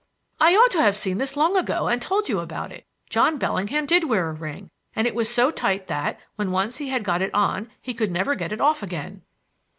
"I ought to have seen this long ago and told you about it. John Bellingham did wear a ring, and it was so tight that, when once he had got it on, he could never get it off again."